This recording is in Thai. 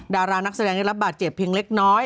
ดารานักแสดงได้รับบาดเจ็บเพียงเล็กน้อย